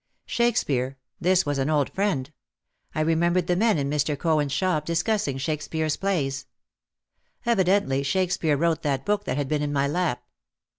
Shakespeare, this was an old friend. I remembered the men in Mr. Cohen's shop discussing Shakespeare's plays. Evidently Shakespeare wrote that book that had been in my lap.